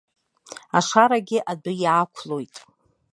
Ашарагьы адәы иаақәлоит.